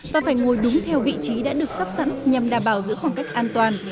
và phải ngồi đúng theo vị trí đã được sắp sẵn nhằm đảm bảo giữ khoảng cách an toàn